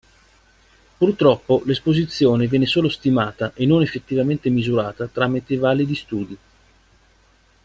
Purtroppo l'esposizione viene solo stimata e non effettivamente misurata tramite validi studi.